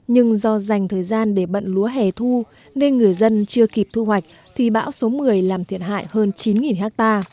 nhưng do dành thời gian để bận lúa hẻ thu nên người dân chưa kịp thu hoạch thì bão số một mươi làm thiệt hại hơn chín ha